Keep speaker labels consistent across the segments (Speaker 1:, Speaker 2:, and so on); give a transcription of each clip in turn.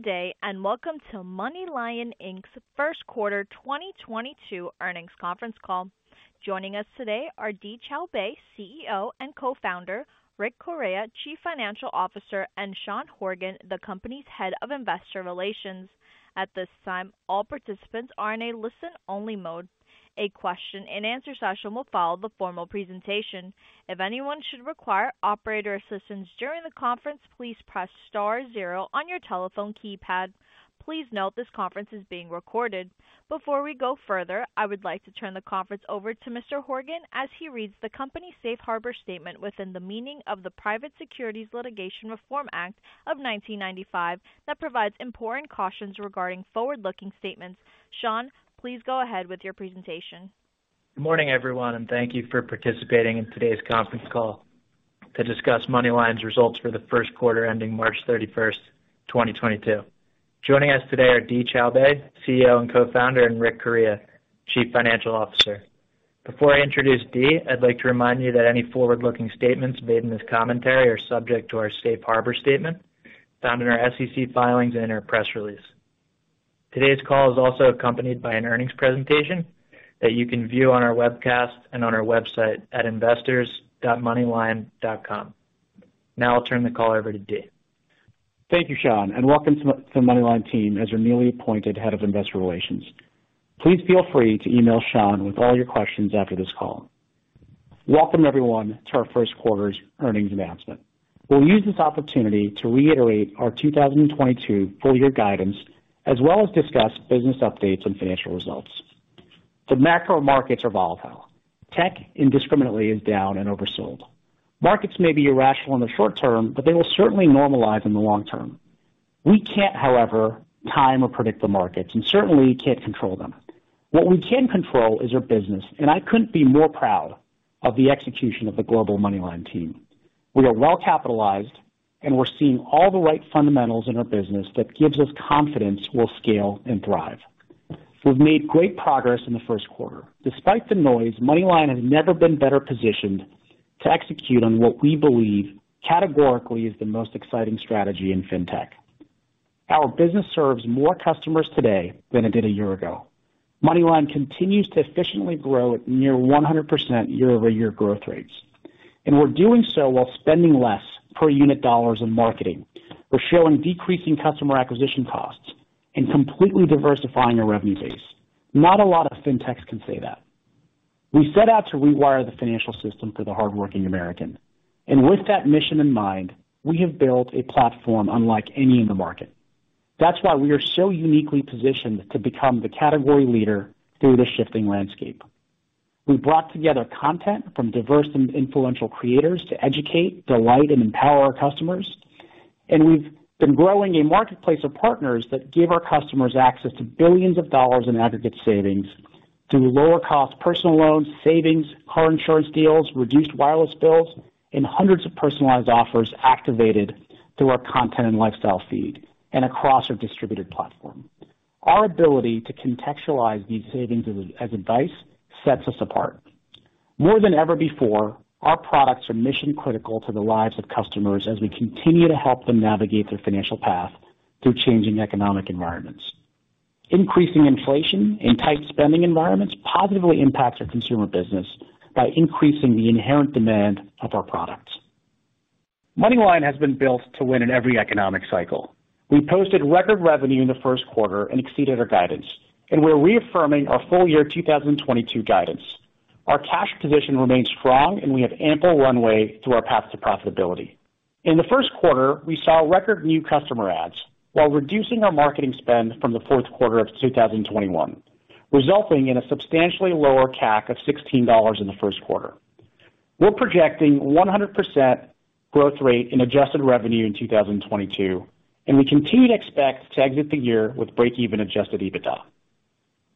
Speaker 1: Good day, and welcome to MoneyLion Inc's first quarter 2022 earnings conference call. Joining us today are Dee Choubey, CEO and Co-Founder, Rick Correia, Chief Financial Officer, and Sean Horgan, the company's Head of Investor Relations. At this time, all participants are in a listen-only mode. A question-and-answer session will follow the formal presentation. If anyone should require operator assistance during the conference, please press star zero on your telephone keypad. Please note this conference is being recorded. Before we go further, I would like to turn the conference over to Mr. Horgan as he reads the company safe harbor statement within the meaning of the Private Securities Litigation Reform Act of 1995 that provides important cautions regarding forward-looking statements. Sean, please go ahead with your presentation.
Speaker 2: Good morning, everyone, and thank you for participating in today's conference call to discuss MoneyLion's results for the first quarter ending March 31, 2022. Joining us today are Dee Choubey, CEO and co-founder, and Rick Correia, Chief Financial Officer. Before I introduce Dee, I'd like to remind you that any forward-looking statements made in this commentary are subject to our Safe Harbor statement found in our SEC filings and our press release. Today's call is also accompanied by an earnings presentation that you can view on our webcast and on our website at investors.moneylion.com. Now I'll turn the call over to Dee.
Speaker 3: Thank you, Sean, and welcome to MoneyLion team as your newly appointed Head of Investor Relations. Please feel free to email Sean with all your questions after this call. Welcome everyone to our first quarter's earnings announcement. We'll use this opportunity to reiterate our 2022 full year guidance, as well as discuss business updates and financial results. The macro markets are volatile. Tech indiscriminately is down and oversold. Markets may be irrational in the short term, but they will certainly normalize in the long term. We can't, however, time or predict the markets, and certainly we can't control them. What we can control is our business, and I couldn't be more proud of the execution of the global MoneyLion team. We are well-capitalized, and we're seeing all the right fundamentals in our business that gives us confidence we'll scale and thrive. We've made great progress in the first quarter. Despite the noise, MoneyLion has never been better positioned to execute on what we believe categorically is the most exciting strategy in fintech. Our business serves more customers today than it did a year ago. MoneyLion continues to efficiently grow at near 100% year-over-year growth rates. We're doing so while spending less per unit dollars in marketing. We're showing decreasing customer acquisition costs and completely diversifying our revenue base. Not a lot of fintechs can say that. We set out to rewire the financial system for the hardworking American. With that mission in mind, we have built a platform unlike any in the market. That's why we are so uniquely positioned to become the category leader through the shifting landscape. We've brought together content from diverse and influential creators to educate, delight, and empower our customers. We've been growing a marketplace of partners that give our customers access to billions of dollars in aggregate savings through lower cost personal loans, savings, car insurance deals, reduced wireless bills, and hundreds of personalized offers activated through our content and lifestyle feed and across our distributed platform. Our ability to contextualize these savings as advice sets us apart. More than ever before, our products are mission-critical to the lives of customers as we continue to help them navigate their financial path through changing economic environments. Increasing inflation and tight spending environments positively impacts our consumer business by increasing the inherent demand of our products. MoneyLion has been built to win in every economic cycle. We posted record revenue in the first quarter and exceeded our guidance, and we're reaffirming our full year 2022 guidance. Our cash position remains strong, and we have ample runway through our path to profitability. In the first quarter, we saw record new customer adds while reducing our marketing spend from the fourth quarter of 2021, resulting in a substantially lower CAC of $16 in the first quarter. We're projecting 100% growth rate in adjusted revenue in 2022, and we continue to expect to exit the year with break-even adjusted EBITDA.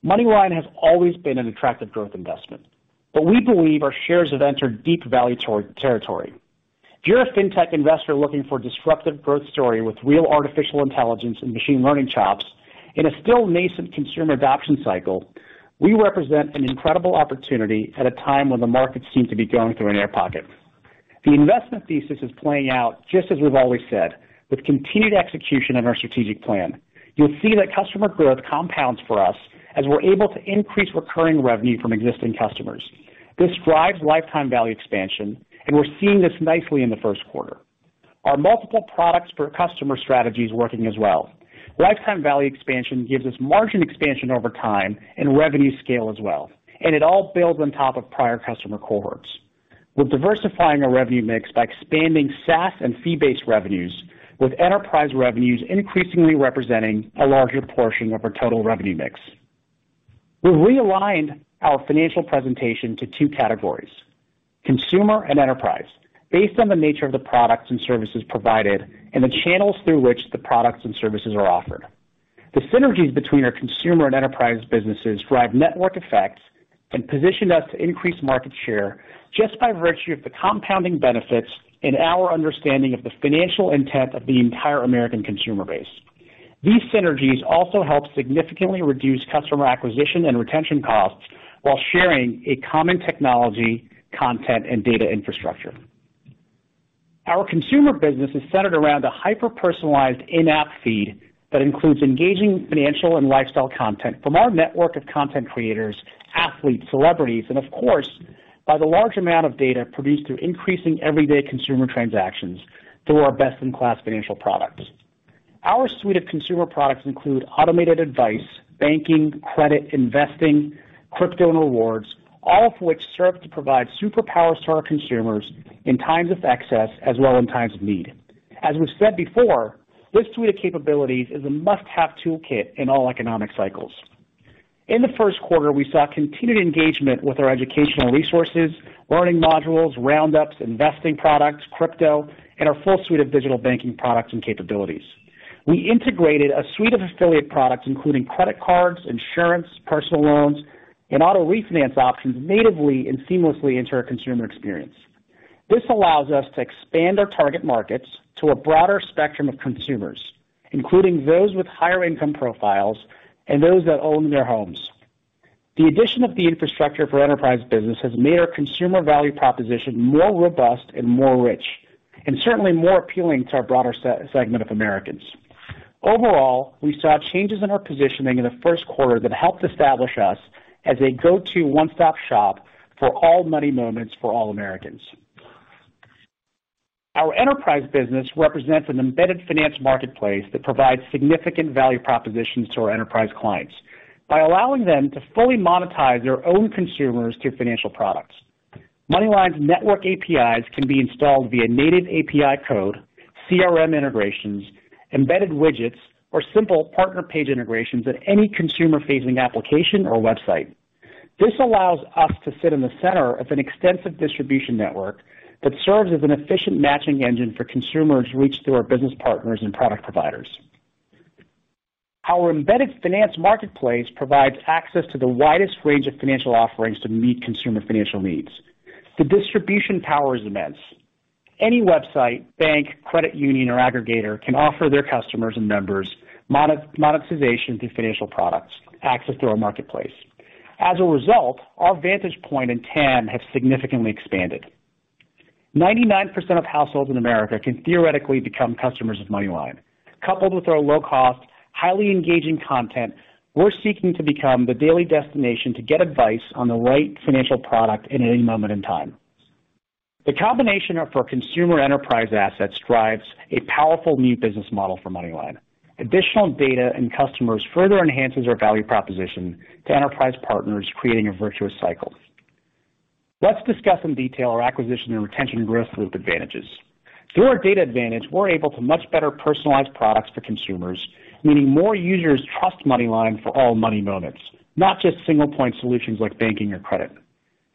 Speaker 3: MoneyLion has always been an attractive growth investment, but we believe our shares have entered deep value territory. If you're a fintech investor looking for disruptive growth story with real artificial intelligence and machine learning chops in a still nascent consumer adoption cycle, we represent an incredible opportunity at a time when the markets seem to be going through an air pocket. The investment thesis is playing out just as we've always said, with continued execution on our strategic plan. You'll see that customer growth compounds for us as we're able to increase recurring revenue from existing customers. This drives lifetime value expansion, and we're seeing this nicely in the first quarter. Our multiple products per customer strategy is working as well. Lifetime value expansion gives us margin expansion over time and revenue scale as well, and it all builds on top of prior customer cohorts. We're diversifying our revenue mix by expanding SaaS and fee-based revenues, with enterprise revenues increasingly representing a larger portion of our total revenue mix. We've realigned our financial presentation to two categories, consumer and enterprise, based on the nature of the products and services provided and the channels through which the products and services are offered. The synergies between our consumer and enterprise businesses drive network effects and position us to increase market share just by virtue of the compounding benefits in our understanding of the financial intent of the entire American consumer base. These synergies also help significantly reduce customer acquisition and retention costs while sharing a common technology, content, and data infrastructure. Our consumer business is centered around a hyper-personalized in-app feed that includes engaging financial and lifestyle content from our network of content creators, athletes, celebrities, and of course, by the large amount of data produced through increasing everyday consumer transactions through our best-in-class financial products. Our suite of consumer products include automated advice, banking, credit, investing, crypto and rewards, all of which serve to provide superpowers to our consumers in times of excess as well in times of need. As we've said before, this suite of capabilities is a must-have toolkit in all economic cycles. In the first quarter, we saw continued engagement with our educational resources, learning modules, Round Ups, investing products, crypto, and our full suite of digital banking products and capabilities. We integrated a suite of affiliate products, including credit cards, insurance, personal loans, and auto refinance options natively and seamlessly into our consumer experience. This allows us to expand our target markets to a broader spectrum of consumers, including those with higher income profiles and those that own their homes. The addition of the infrastructure for enterprise business has made our consumer value proposition more robust and more rich, and certainly more appealing to our broader segment of Americans. Overall, we saw changes in our positioning in the first quarter that helped establish us as a go-to one-stop-shop for all money moments for all Americans. Our enterprise business represents an embedded finance marketplace that provides significant value propositions to our enterprise clients by allowing them to fully monetize their own consumers through financial products. MoneyLion's network APIs can be installed via native API code, CRM integrations, embedded widgets, or simple partner page integrations at any consumer-facing application or website. This allows us to sit in the center of an extensive distribution network that serves as an efficient matching engine for consumers reached through our business partners and product providers. Our embedded finance marketplace provides access to the widest range of financial offerings to meet consumer financial needs. The distribution power is immense. Any website, bank, credit union, or aggregator can offer their customers and members monetization through financial products access to our marketplace. As a result, our vantage point and TAM have significantly expanded. 99% of households in America can theoretically become customers of MoneyLion. Coupled with our low cost, highly engaging content, we're seeking to become the daily destination to get advice on the right financial product at any moment in time. The combination of our consumer enterprise assets drives a powerful new business model for MoneyLion. Additional data and customers further enhances our value proposition to enterprise partners, creating a virtuous cycle. Let's discuss in detail our acquisition and retention growth loop advantages. Through our data advantage, we're able to much better personalize products for consumers, meaning more users trust MoneyLion for all money moments, not just single point solutions like banking or credit.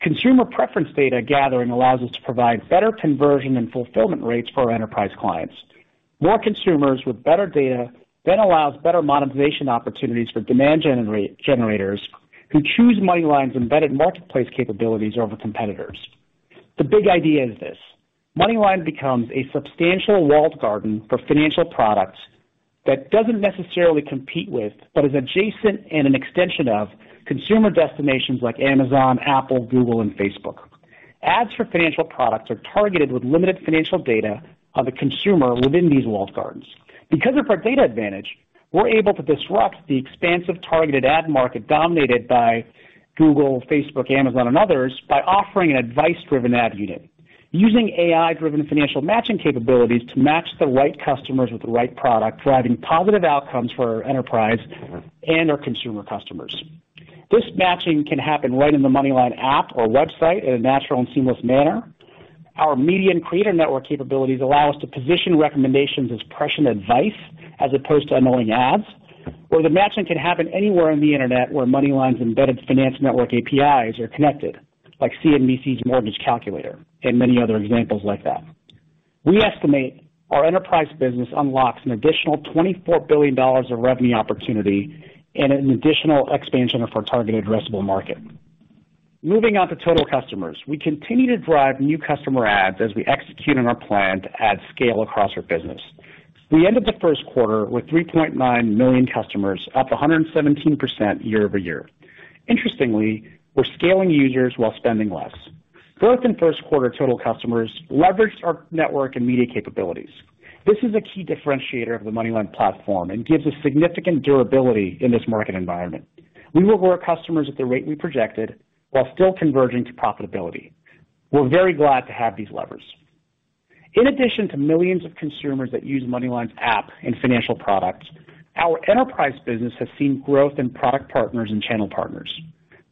Speaker 3: Consumer preference data gathering allows us to provide better conversion and fulfillment rates for our enterprise clients. More consumers with better data then allows better monetization opportunities for demand generators who choose MoneyLion's embedded marketplace capabilities over competitors. The big idea is this. MoneyLion becomes a substantial walled garden for financial products that doesn't necessarily compete with, but is adjacent and an extension of consumer destinations like Amazon, Apple, Google and Facebook. Ads for financial products are targeted with limited financial data of a consumer within these walled gardens. Because of our data advantage, we're able to disrupt the expansive targeted ad market dominated by Google, Facebook, Amazon and others by offering an advice-driven ad unit. Using AI-driven financial matching capabilities to match the right customers with the right product, driving positive outcomes for our enterprise and our consumer customers. This matching can happen right in the MoneyLion app or website in a natural and seamless manner. Our media and creator network capabilities allow us to position recommendations as prescient advice as opposed to annoying ads, or the matching can happen anywhere on the Internet where MoneyLion's embedded finance network APIs are connected, like CNBC's mortgage calculator and many other examples like that. We estimate our enterprise business unlocks an additional $24 billion of revenue opportunity and an additional expansion of our targeted addressable market. Moving on to total customers. We continue to drive new customer adds as we execute on our plan to add scale across our business. We ended the first quarter with 3.9 million customers, up 117% year-over-year. Interestingly, we're scaling users while spending less. Growth in first quarter total customers leveraged our network and media capabilities. This is a key differentiator of the MoneyLion platform and gives us significant durability in this market environment. We will grow our customers at the rate we projected while still converging to profitability. We're very glad to have these levers. In addition to millions of consumers that use MoneyLion's app and financial products, our enterprise business has seen growth in product partners and channel partners.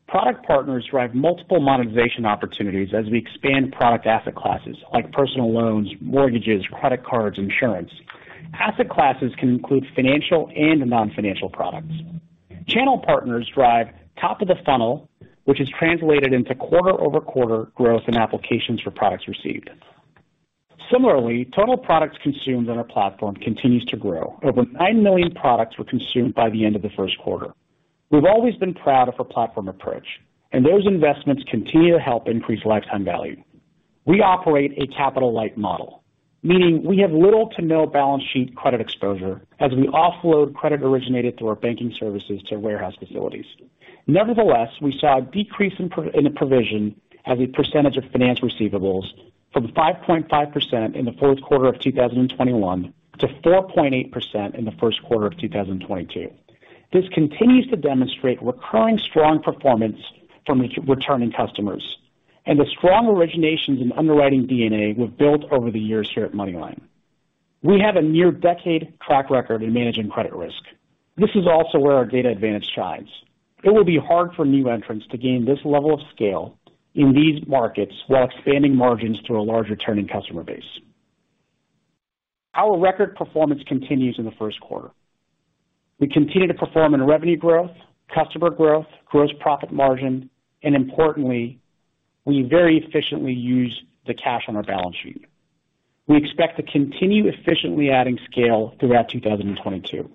Speaker 3: Product partners drive multiple monetization opportunities as we expand product asset classes like personal loans, mortgages, credit cards, insurance. Asset classes can include financial and non-financial products. Channel partners drive top of the funnel, which is translated into quarter-over-quarter growth in applications for products received. Similarly, total products consumed on our platform continues to grow. Over 9 million products were consumed by the end of the first quarter. We've always been proud of our platform approach, and those investments continue to help increase lifetime value. We operate a capital-light model, meaning we have little to no balance sheet credit exposure as we offload credit originated through our banking services to warehouse facilities. Nevertheless, we saw a decrease in provision as a percentage of finance receivables from 5.5% in the fourth quarter of 2021 to 4.8% in the first quarter of 2022. This continues to demonstrate recurring strong performance from returning customers and the strong originations and underwriting DNA we've built over the years here at MoneyLion. We have a near-decade track record in managing credit risk. This is also where our data advantage shines. It will be hard for new entrants to gain this level of scale in these markets while expanding margins to a large returning customer base. Our record performance continues in the first quarter. We continue to perform in revenue growth, customer growth, gross profit margin, and importantly, we very efficiently use the cash on our balance sheet. We expect to continue efficiently adding scale throughout 2022.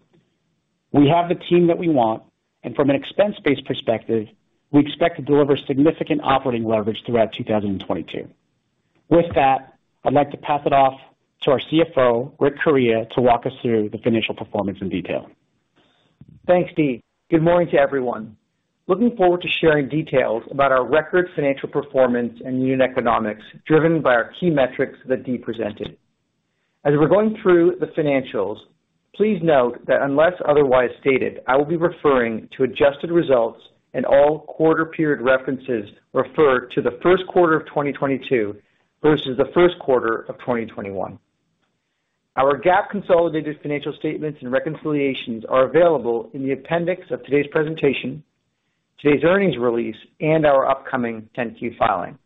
Speaker 3: We have the team that we want, and from an expense-based perspective, we expect to deliver significant operating leverage throughout 2022. With that, I'd like to pass it off to our CFO, Rick Correia, to walk us through the financial performance in detail.
Speaker 4: Thanks, Dee. Good morning to everyone. Looking forward to sharing details about our record financial performance and unit economics driven by our key metrics that Dee presented. As we're going through the financials, please note that unless otherwise stated, I will be referring to adjusted results and all quarter period references refer to the first quarter of 2022 versus the first quarter of 2021. Our GAAP consolidated financial statements and reconciliations are available in the appendix of today's presentation, today's earnings release, and our upcoming 10-Q filing.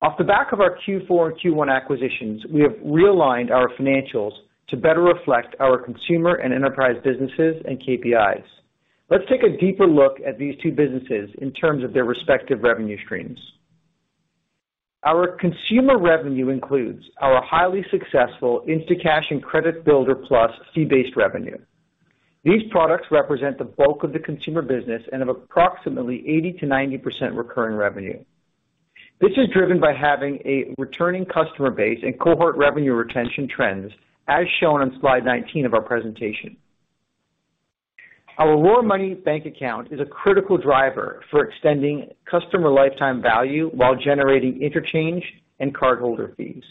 Speaker 4: On the back of our Q4 and Q1 acquisitions, we have realigned our financials to better reflect our consumer and enterprise businesses and KPIs. Let's take a deeper look at these two businesses in terms of their respective revenue streams. Our consumer revenue includes our highly successful Instacash and Credit Builder Plus fee-based revenue. These products represent the bulk of the consumer business and have approximately 80%-90% recurring revenue. This is driven by having a returning customer base and cohort revenue retention trends, as shown on slide 19 of our presentation. Our RoarMoney bank account is a critical driver for extending customer lifetime value while generating interchange and cardholder fees.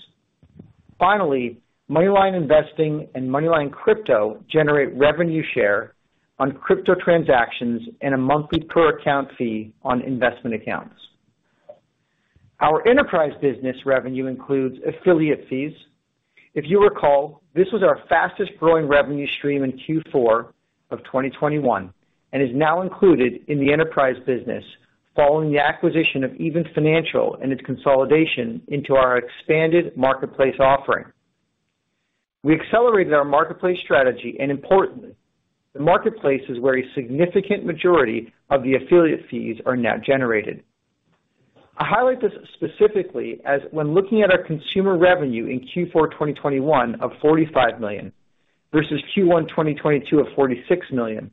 Speaker 4: Finally, MoneyLion Investing and MoneyLion Crypto generate revenue share on crypto transactions and a monthly per account fee on investment accounts. Our enterprise business revenue includes affiliate fees. If you recall, this was our fastest-growing revenue stream in Q4 of 2021 and is now included in the enterprise business following the acquisition of Even Financial and its consolidation into our expanded marketplace offering. We accelerated our marketplace strategy, and importantly, the marketplace is where a significant majority of the affiliate fees are now generated. I highlight this specifically as when looking at our consumer revenue in Q4 2021 of $45 million versus Q1 2022 of $46 million,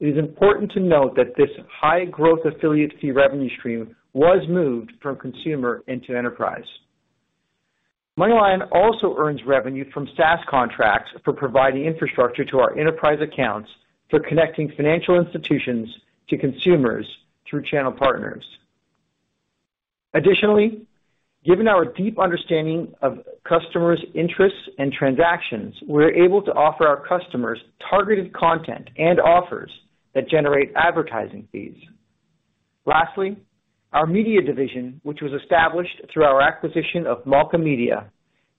Speaker 4: it is important to note that this high growth affiliate fee revenue stream was moved from consumer into enterprise. MoneyLion also earns revenue from SaaS contracts for providing infrastructure to our enterprise accounts for connecting financial institutions to consumers through channel partners. Additionally, given our deep understanding of customers' interests and transactions, we're able to offer our customers targeted content and offers that generate advertising fees. Lastly, our media division, which was established through our acquisition of MALKA Media,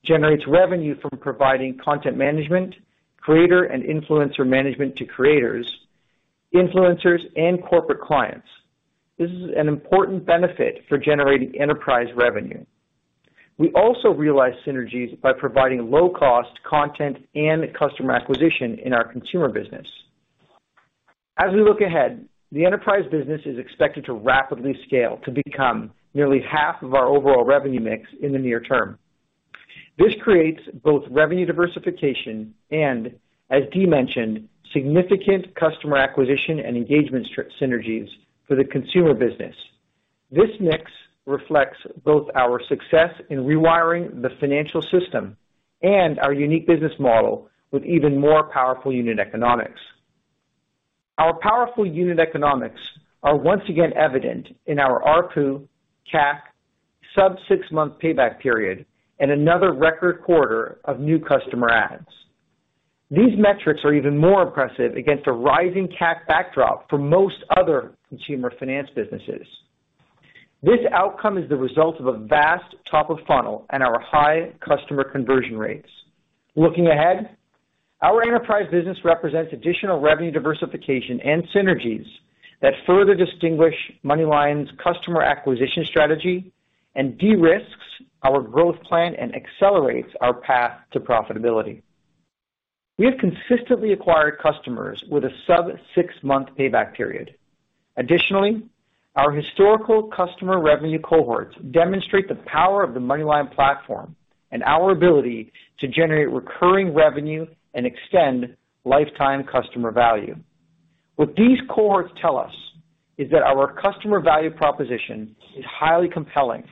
Speaker 4: generates revenue from providing content management, creator and influencer management to creators, influencers, and corporate clients. This is an important benefit for generating enterprise revenue. We also realize synergies by providing low-cost content and customer acquisition in our consumer business. As we look ahead, the enterprise business is expected to rapidly scale to become nearly half of our overall revenue mix in the near term. This creates both revenue diversification and, as Dee mentioned, significant customer acquisition and engagement synergies for the consumer business. This mix reflects both our success in rewiring the financial system and our unique business model with even more powerful unit economics. Our powerful unit economics are once again evident in our ARPU, CAC, sub-six-month payback period, and another record quarter of new customer adds. These metrics are even more impressive against a rising CAC backdrop for most other consumer finance businesses. This outcome is the result of a vast top of funnel and our high customer conversion rates. Looking ahead, our enterprise business represents additional revenue diversification and synergies that further distinguish MoneyLion's customer acquisition strategy and de-risks our growth plan and accelerates our path to profitability. We have consistently acquired customers with a sub-six-month payback period. Additionally, our historical customer revenue cohorts demonstrate the power of the MoneyLion platform and our ability to generate recurring revenue and extend lifetime customer value. What these cohorts tell us is that our customer value proposition is highly compelling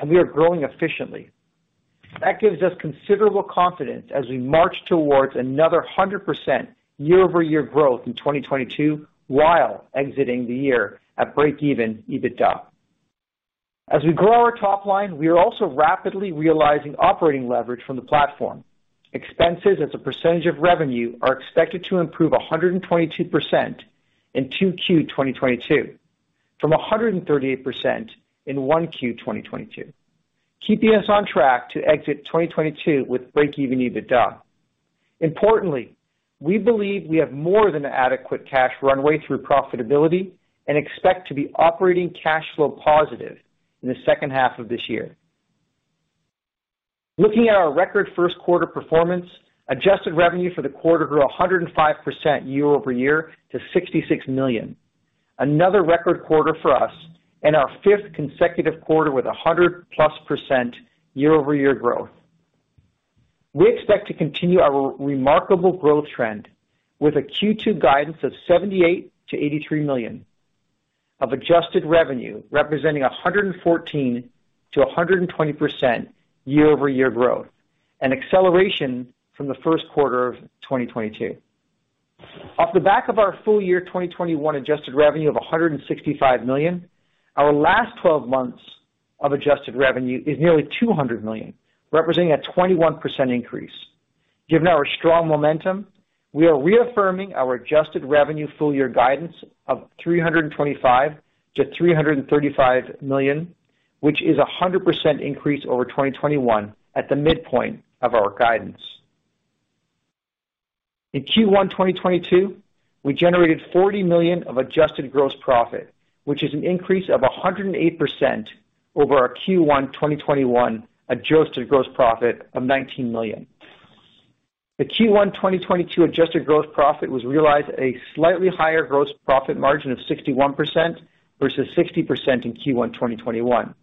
Speaker 4: and we are growing efficiently. That gives us considerable confidence as we march towards another 100% year-over-year growth in 2022 while exiting the year at break-even EBITDA. As we grow our top line, we are also rapidly realizing operating leverage from the platform. Expenses as a percentage of revenue are expected to improve 122% in 2Q 2022 from 138% in 1Q 2022, keeping us on track to exit 2022 with break-even EBITDA. Importantly, we believe we have more than adequate cash runway through profitability and expect to be operating cash flow positive in the second half of this year. Looking at our record first quarter performance, adjusted revenue for the quarter grew 105% year-over-year to $66 million. Another record quarter for us and our fifth consecutive quarter with a hundred plus percent year-over-year growth. We expect to continue our remarkable growth trend with a Q2 guidance of $78 million-$83 million of adjusted revenue, representing 114%-120% year-over-year growth, an acceleration from the first quarter of 2022. Off the back of our full year 2021 adjusted revenue of $165 million, our last twelve months of adjusted revenue is nearly $200 million, representing a 21% increase. Given our strong momentum, we are reaffirming our adjusted revenue full year guidance of $325 million-$335 million, which is a 100% increase over 2021 at the midpoint of our guidance. In Q1 2022, we generated $40 million of adjusted gross profit, which is an increase of 108% over our Q1 2021 adjusted gross profit of $19 million. The Q1 2022 adjusted gross profit was realized at a slightly higher gross profit margin of 61% versus 60% in Q1 2021.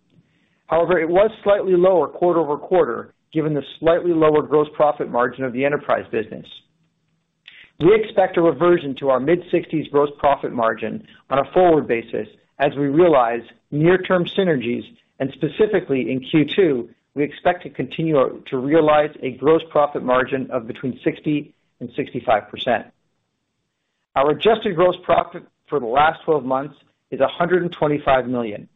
Speaker 4: However, it was slightly lower quarter-over-quarter, given the slightly lower gross profit margin of the enterprise business. We expect a reversion to our mid-60s gross profit margin on a forward basis as we realize near-term synergies, and specifically in Q2, we expect to continue to realize a gross profit margin of between 60% and 65%. Our adjusted gross profit for the last twelve months is $125 million,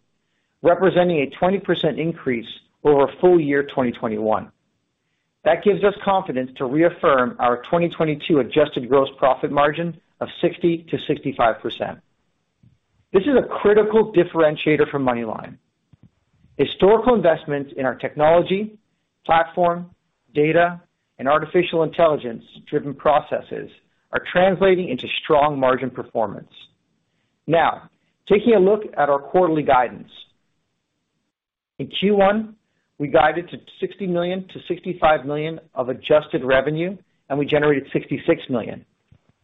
Speaker 4: representing a 20% increase over full year 2021. That gives us confidence to reaffirm our 2022 adjusted gross profit margin of 60%-65%. This is a critical differentiator for MoneyLion. Historical investments in our technology, platform, data, and artificial intelligence driven processes are translating into strong margin performance. Now taking a look at our quarterly guidance. In Q1, we guided to $60 million-$65 million of adjusted revenue, and we generated $66 million.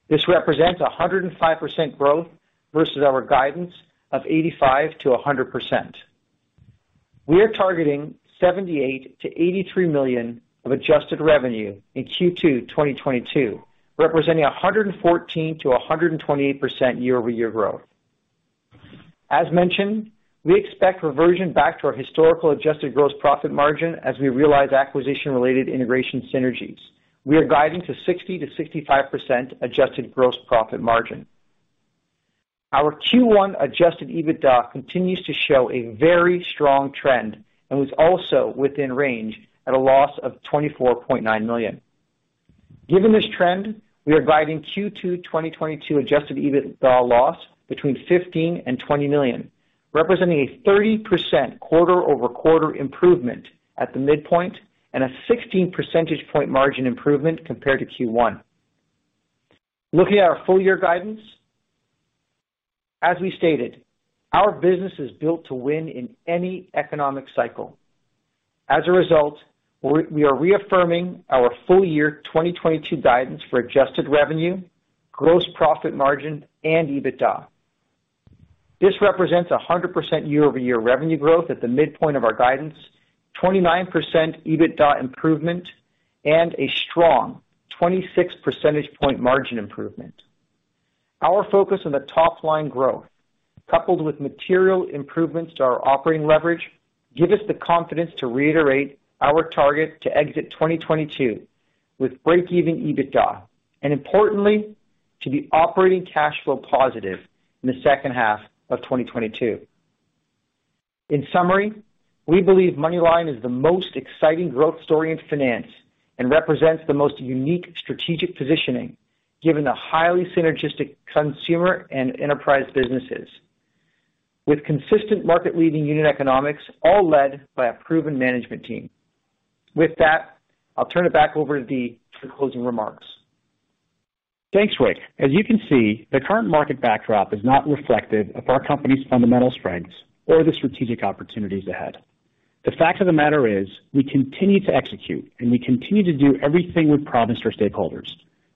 Speaker 4: This represents 105% growth versus our guidance of 85%-100%. We are targeting $78 million-$83 million of adjusted revenue in Q2 2022, representing 114%-128% year-over-year growth. As mentioned, we expect reversion back to our historical adjusted gross profit margin as we realize acquisition related integration synergies. We are guiding to 60%-65% adjusted gross profit margin. Our Q1 adjusted EBITDA continues to show a very strong trend and was also within range at a loss of $24.9 million. Given this trend, we are guiding Q2 2022 adjusted EBITDA loss between $15 million and $20 million, representing a 30% quarter-over-quarter improvement at the midpoint and a 16 percentage point margin improvement compared to Q1. Looking at our full year guidance, as we stated, our business is built to win in any economic cycle. As a result, we are reaffirming our full year 2022 guidance for adjusted revenue, gross profit margin and EBITDA. This represents 100% year-over-year revenue growth at the midpoint of our guidance, 29% EBITDA improvement, and a strong 26 percentage point margin improvement. Our focus on the top line growth, coupled with material improvements to our operating leverage, give us the confidence to reiterate our target to exit 2022 with break even EBITDA and importantly, to be operating cash flow positive in the second half of 2022. In summary, we believe MoneyLion is the most exciting growth story in finance and represents the most unique strategic positioning given the highly synergistic consumer and enterprise businesses with consistent market leading unit economics, all led by a proven management team. With that, I'll turn it back over to Dee for closing remarks.
Speaker 3: Thanks, Rick. As you can see, the current market backdrop is not reflective of our company's fundamental strengths or the strategic opportunities ahead. The fact of the matter is we continue to execute and we continue to do everything we promised our stakeholders.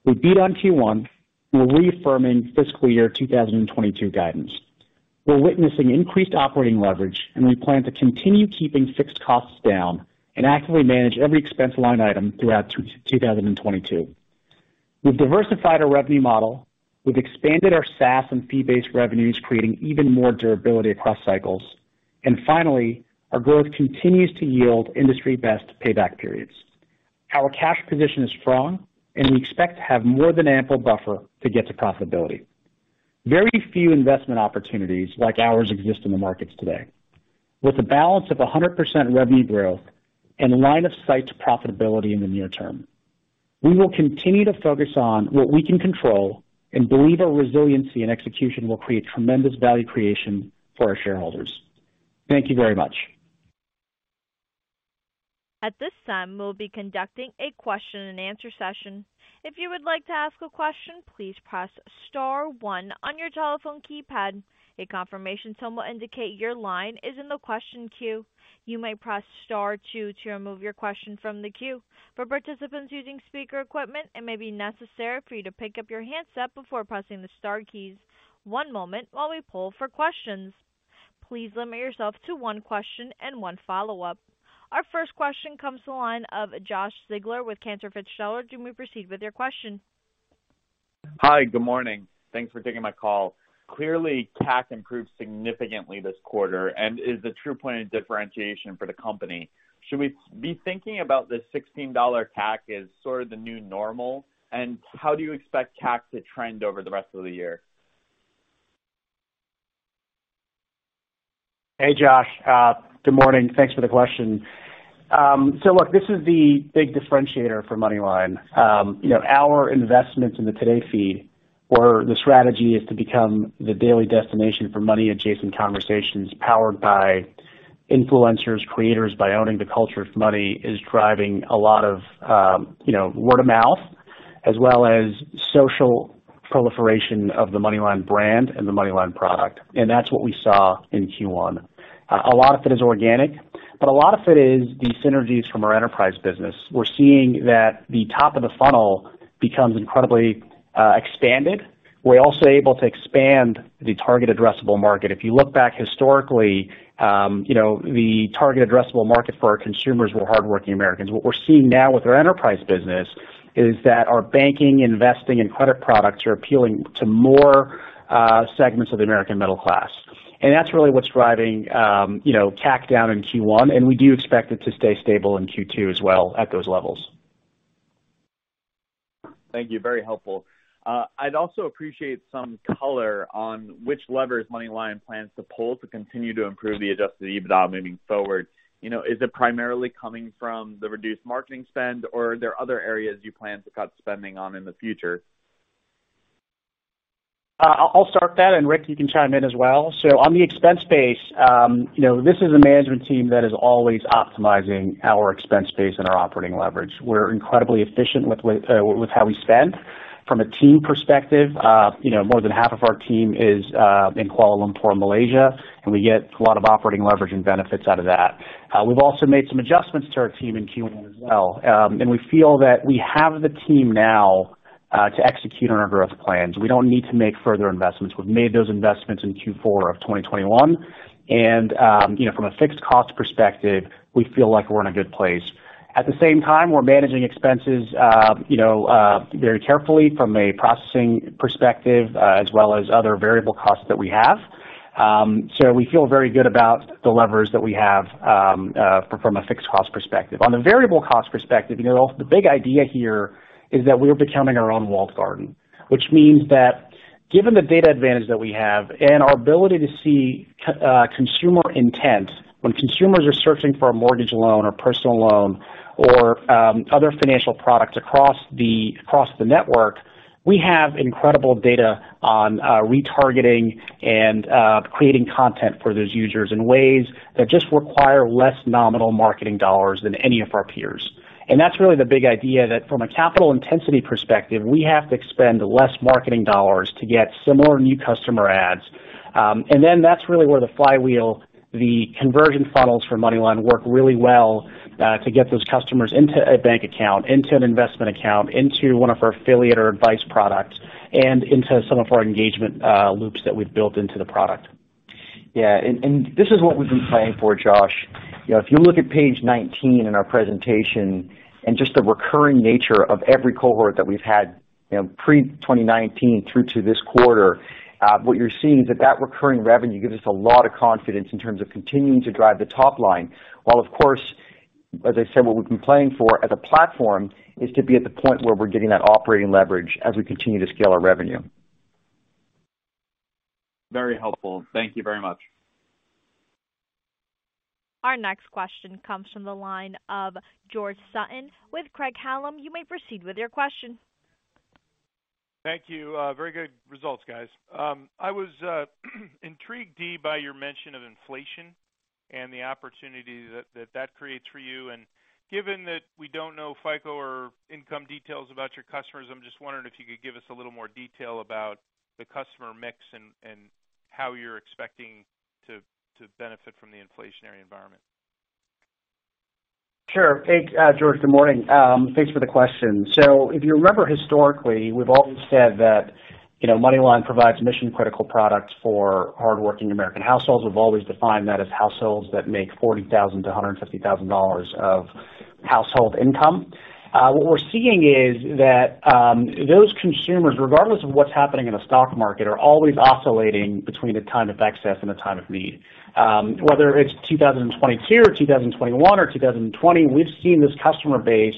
Speaker 3: We beat on Q1. We're reaffirming fiscal year 2022 guidance. We're witnessing increased operating leverage, and we plan to continue keeping fixed costs down and actively manage every expense line item throughout 2022. We've diversified our revenue model. We've expanded our SaaS and fee-based revenues, creating even more durability across cycles. Finally, our growth continues to yield industry-best payback periods. Our cash position is strong, and we expect to have more than ample buffer to get to profitability. Very few investment opportunities like ours exist in the markets today. With a balance of 100% revenue growth and a line of sight to profitability in the near term, we will continue to focus on what we can control and believe our resiliency and execution will create tremendous value creation for our shareholders. Thank you very much.
Speaker 1: At this time, we'll be conducting a question and answer session. If you would like to ask a question, please press star one on your telephone keypad. A confirmation tone will indicate your line is in the question queue. You may press star two to remove your question from the queue. For participants using speaker equipment, it may be necessary for you to pick up your handset before pressing the star keys. One moment while we poll for questions. Please limit yourself to one question and one follow-up. Our first question comes to the line of Josh Siegler with Cantor Fitzgerald. You may proceed with your question.
Speaker 5: Hi. Good morning. Thanks for taking my call. Clearly, CAC improved significantly this quarter and is the true point of differentiation for the company. Should we be thinking about the $16 CAC as sort of the new normal, and how do you expect CAC to trend over the rest of the year?
Speaker 3: Hey, Josh. Good morning. Thanks for the question. Look, this is the big differentiator for MoneyLion. You know, our investments in the Today Feed, where the strategy is to become the daily destination for money-adjacent conversations powered by influencers, creators, by owning the culture of money, is driving a lot of, you know, word of mouth as well as social proliferation of the MoneyLion brand and the MoneyLion product, and that's what we saw in Q1. A lot of it is organic, but a lot of it is the synergies from our enterprise business. We're seeing that the top of the funnel becomes incredibly expanded. We're also able to expand the target addressable market. If you look back historically, you know, the target addressable market for our consumers were hardworking Americans. What we're seeing now with our enterprise business is that our banking, investing, and credit products are appealing to more segments of the American middle class. That's really what's driving, you know, CAC down in Q1, and we do expect it to stay stable in Q2 as well at those levels.
Speaker 5: Thank you. Very helpful. I'd also appreciate some color on which levers MoneyLion plans to pull to continue to improve the adjusted EBITDA moving forward. You know, is it primarily coming from the reduced marketing spend, or are there other areas you plan to cut spending on in the future?
Speaker 3: I'll start that, and Rick, you can chime in as well. On the expense base, you know, this is a management team that is always optimizing our expense base and our operating leverage. We're incredibly efficient with how we spend. From a team perspective, you know, more than half of our team is in Kuala Lumpur, Malaysia, and we get a lot of operating leverage and benefits out of that. We've also made some adjustments to our team in Q1 as well, and we feel that we have the team now to execute on our growth plans. We don't need to make further investments. We've made those investments in Q4 of 2021, and you know, from a fixed cost perspective, we feel like we're in a good place. At the same time, we're managing expenses, you know, very carefully from a processing perspective, as well as other variable costs that we have. We feel very good about the levers that we have from a fixed cost perspective. On the variable cost perspective, you know, the big idea here is that we're becoming our own walled garden, which means that given the data advantage that we have and our ability to see consumer intent when consumers are searching for a mortgage loan or personal loan or other financial products across the network, we have incredible data on retargeting and creating content for those users in ways that just require less nominal marketing dollars than any of our peers. That's really the big idea, that from a capital intensity perspective, we have to expend less marketing dollars to get similar new customer adds. That's really where the flywheel, the conversion funnels for MoneyLion work really well, to get those customers into a bank account, into an investment account, into one of our affiliate or advice products, and into some of our engagement loops that we've built into the product.
Speaker 4: Yeah. This is what we've been playing for, Josh. You know, if you look at page 19 in our presentation and just the recurring nature of every cohort that we've had, you know, pre-2019 through to this quarter, what you're seeing is that recurring revenue gives us a lot of confidence in terms of continuing to drive the top line. While of course, as I said, what we've been playing for as a platform is to be at the point where we're getting that operating leverage as we continue to scale our revenue.
Speaker 5: Very helpful. Thank you very much.
Speaker 1: Our next question comes from the line of George Sutton with Craig-Hallum. You may proceed with your question.
Speaker 6: Thank you. Very good results, guys. I was intrigued, Dee, by your mention of inflation and the opportunity that creates for you. Given that we don't know FICO or income details about your customers, I'm just wondering if you could give us a little more detail about the customer mix and how you're expecting to benefit from the inflationary environment.
Speaker 3: Sure. Hey, George. Good morning. Thanks for the question. If you remember historically, we've always said that, you know, MoneyLion provides mission-critical products for hardworking American households. We've always defined that as households that make $40,000-$150,000 of household income. What we're seeing is that those consumers, regardless of what's happening in the stock market, are always oscillating between a time of excess and a time of need. Whether it's 2022 or 2021 or 2020, we've seen this customer base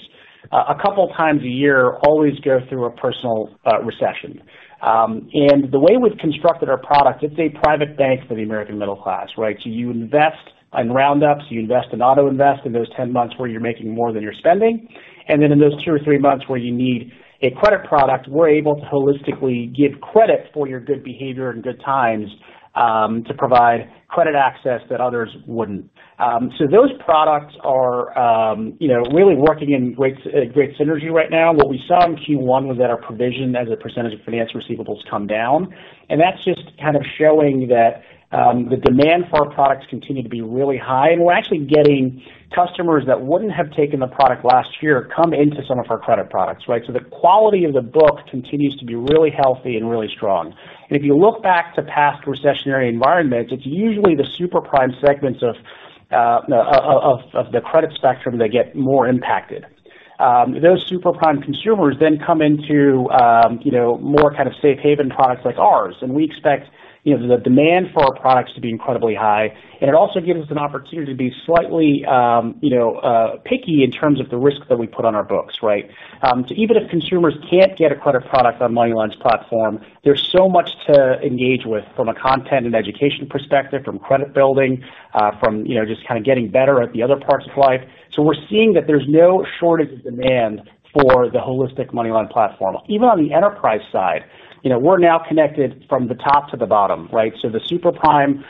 Speaker 3: a couple times a year always go through a personal recession. The way we've constructed our product, it's a private bank for the American middle class, right? You invest in Round Ups, you invest in auto invest in those 10 months where you're making more than you're spending. Then in those 2 or 3 months where you need a credit product, we're able to holistically give credit for your good behavior and good times to provide credit access that others wouldn't. Those products are, you know, really working in great synergy right now. What we saw in Q1 was that our provision as a percentage of finance receivables come down, and that's just kind of showing that the demand for our products continue to be really high. We're actually getting customers that wouldn't have taken the product last year come into some of our credit products, right? The quality of the book continues to be really healthy and really strong. If you look back to past recessionary environments, it's usually the super-prime segments of the credit spectrum that get more impacted. Those super-prime consumers then come into more kind of safe haven products like ours. We expect the demand for our products to be incredibly high. It also gives us an opportunity to be slightly picky in terms of the risk that we put on our books, right? Even if consumers can't get a credit product on MoneyLion's platform, there's so much to engage with from a content and education perspective, from credit building, from just kinda getting better at the other parts of life. We're seeing that there's no shortage of demand for the holistic MoneyLion platform. Even on the enterprise side, you know, we're now connected from the top to the bottom, right? The super-prime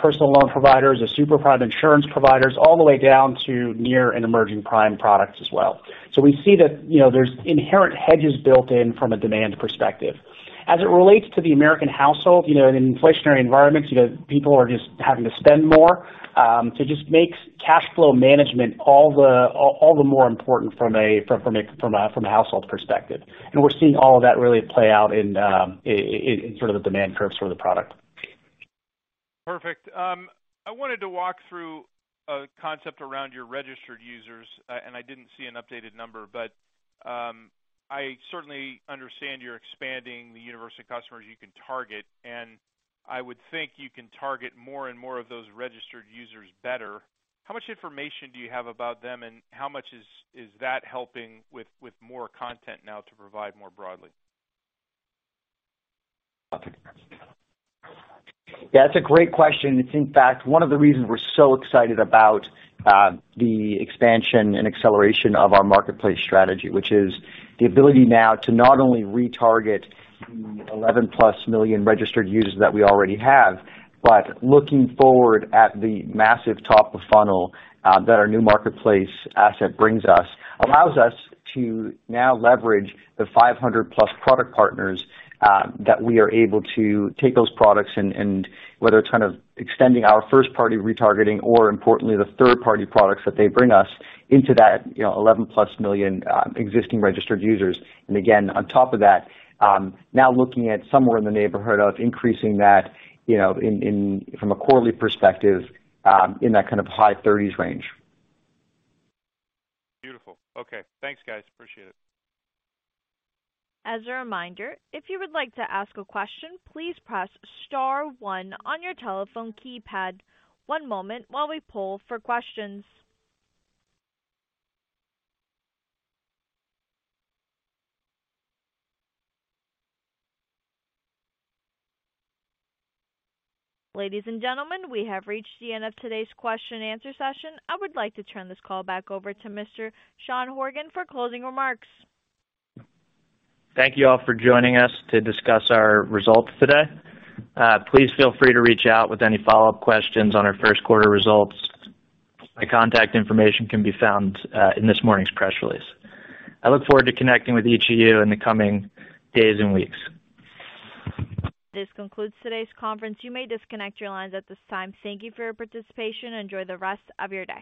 Speaker 3: personal loan providers, the super-prime insurance providers, all the way down to near and emerging prime products as well. We see that, you know, there's inherent hedges built in from a demand perspective. As it relates to the American household, you know, in an inflationary environment, you know, people are just having to spend more. It just makes cash flow management all the more important from a household perspective. We're seeing all of that really play out in sort of the demand curves for the product.
Speaker 6: Perfect. I wanted to walk through a concept around your registered users, and I didn't see an updated number, but I certainly understand you're expanding the universe of customers you can target, and I would think you can target more and more of those registered users better. How much information do you have about them, and how much is that helping with more content now to provide more broadly?
Speaker 3: Yeah, that's a great question. It's in fact one of the reasons we're so excited about the expansion and acceleration of our marketplace strategy, which is the ability now to not only retarget the 11+ million registered users that we already have, but looking forward at the massive top of funnel that our new marketplace asset brings us. This allows us to now leverage the 500+ product partners that we are able to take those products and whether it's kind of extending our first party retargeting or importantly, the third party products that they bring us into that, you know, 11+ million existing registered users. Again, on top of that, now looking at somewhere in the neighborhood of increasing that, you know, in from a quarterly perspective, in that kind of high 30s% range.
Speaker 6: Beautiful. Okay. Thanks, guys. Appreciate it.
Speaker 1: As a reminder, if you would like to ask a question, please press star one on your telephone keypad. One moment while we poll for questions. Ladies and gentlemen, we have reached the end of today's question and answer session. I would like to turn this call back over to Mr. Sean Horgan for closing remarks.
Speaker 2: Thank you all for joining us to discuss our results today. Please feel free to reach out with any follow-up questions on our first quarter results. My contact information can be found in this morning's press release. I look forward to connecting with each of you in the coming days and weeks.
Speaker 1: This concludes today's conference. You may disconnect your lines at this time. Thank you for your participation and enjoy the rest of your day.